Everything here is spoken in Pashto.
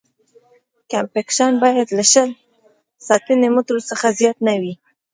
کمپکشن باید له شل سانتي مترو څخه زیات نه وي